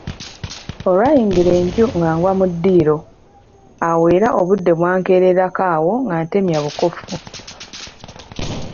Olwayingira enju nga ngwa mu ddiiro awo era obudde bwankeererako awo nga ntemya bukofu.